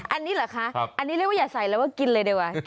อันนี้เหรอคะอันนี้เรียกว่าอย่าใส่แล้วว่ากินเลยดีกว่า